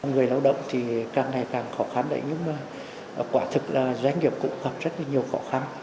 người lao động thì càng ngày càng khó khăn đấy nhưng mà quả thực là doanh nghiệp cũng gặp rất là nhiều khó khăn